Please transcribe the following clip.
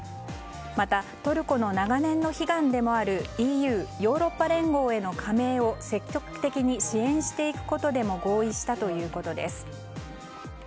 またトルコの長年の悲願でもあるＥＵ・ヨーロッパ連合への加盟を積極的に支援していくことでも合意したということです。